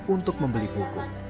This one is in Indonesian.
untuk membeli buku